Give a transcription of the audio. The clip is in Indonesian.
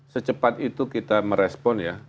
secepat itu kita merespon ya